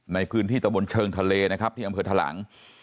ในพื้นที่ตะบนเชิงทะเลนะครับที่อำเภอทะหลัง